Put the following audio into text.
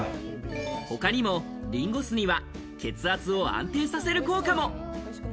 他にもリンゴ酢には血圧を安定させる効果も。